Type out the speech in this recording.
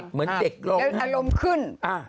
เหมือนเด็กต่องขึ้น